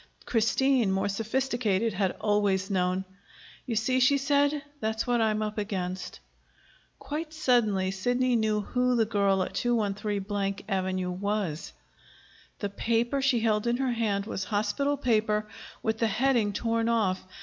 Christine, more sophisticated, had always known. "You see," she said. "That's what I'm up against." Quite suddenly Sidney knew who the girl at 213 Avenue was. The paper she held in her hand was hospital paper with the heading torn off.